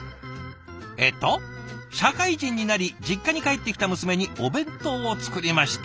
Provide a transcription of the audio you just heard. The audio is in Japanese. えっと「社会人になり実家に帰ってきた娘にお弁当を作りました」。